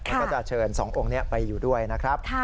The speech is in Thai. ก็จะเชิญ๒องค์ไปอยู่ด้วยนะครับ